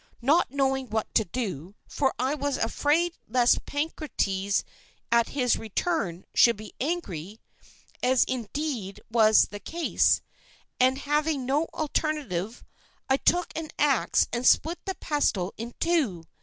Not knowing what to do, for I was afraid lest Pancrates at his return should be angry (as indeed was the case), and having no alternative, I took an axe and split the pestle in two.